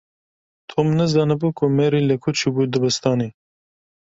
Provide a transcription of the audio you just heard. Tom nizanibû ku Mary li ku çûbû dibistanê.